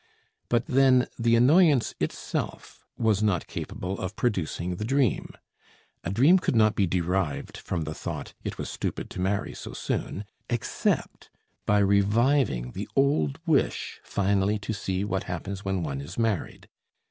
But then, the annoyance itself was not capable of producing the dream; a dream could not be derived from the thought: "It was stupid to marry so soon," except by reviving the old wish finally to see what happens when one is married.